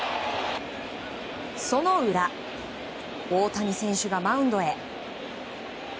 その裏、大谷選手がマウンドへ。